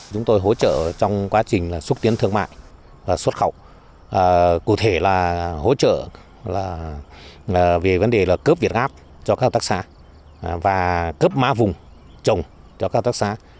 chúng tôi hỗ trợ trong quá trình xúc tiến thương mại và xuất khẩu cụ thể là hỗ trợ về vấn đề cướp việt gap cho các hợp tác xã và cướp má vùng trồng cho các hợp tác xã